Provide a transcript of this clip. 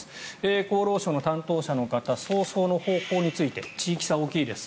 厚労省の担当者の方葬送の方法について地域差が大きいです。